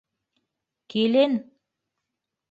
Килен!..